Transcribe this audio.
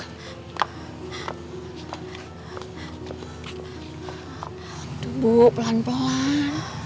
aduh bu pelan pelan